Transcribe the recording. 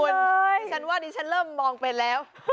ดิฉันว่าดิฉันเริ่มมองไปแล้ว